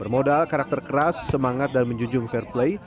modal karakter keras semangat dan menjunjung fireplay